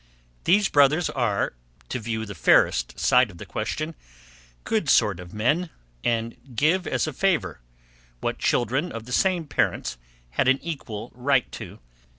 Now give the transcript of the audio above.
These brothers are, to view the fairest side of the question, good sort of men, and give as a favour, what children of the same parents had an equal right to.